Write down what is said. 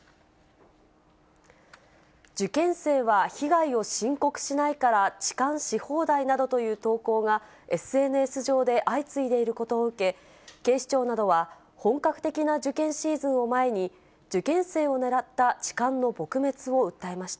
受験生は被害を申告しないから、痴漢し放題などという投稿が、ＳＮＳ上で相次いでいることを受け、警視庁などは、本格的な受験シーズンを前に、受験生を狙った痴漢の撲滅を訴えました。